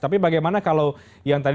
tapi bagaimana kalau yang tadi